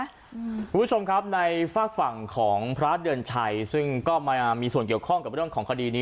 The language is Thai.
คุณผู้ชมครับในฝากฝั่งของพระเดือนชัยซึ่งก็มามีส่วนเกี่ยวข้องกับเรื่องของคดีนี้